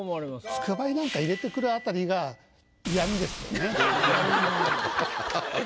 「つくばい」なんか入れてくるあたりがはははっ。